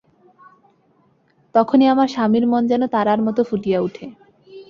তখনি আমার স্বামীর মন যেন তারার মতো ফুটিয়া উঠে।